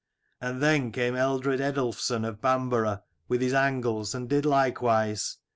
And then came Ealdred Eadulfson of Bamborough, with his Angles, and did likewise.